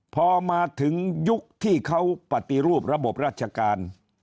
พอมาถึงยุคที่เขาปฏิรูประบบราชการ